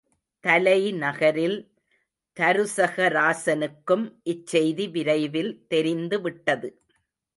தலைநகரில் தருசகராசனுக்கும் இச் செய்தி விரைவில் தெரிந்துவிட்டது.